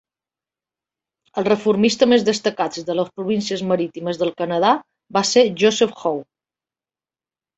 El reformista més destacats de les Províncies Marítimes del Canadà va ser Joseph Howe.